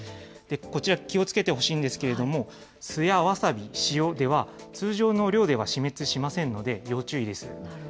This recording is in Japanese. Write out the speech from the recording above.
こちら、気をつけてほしいんですけれども、酢やわさび、塩では、通常の量では死滅しませんので、要注意です。